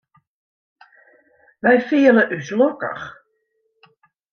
Wy fiele ús lokkich.